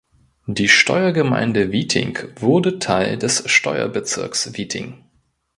Die Steuergemeinde Wieting wurde Teil des Steuerbezirks Wieting.